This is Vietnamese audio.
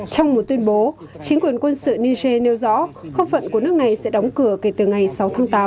trong một tuyên bố chính quyền quân sự niger nêu rõ không phận của nước này sẽ đóng cửa kể từ ngày sáu tháng tám